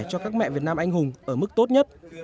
cho các mẹ việt nam anh hùng ở mức tốt nhất